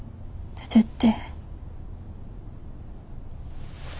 出てって。